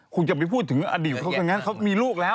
คงจะไปพูดถึงอดีตเขาซะงั้นเขามีลูกแล้ว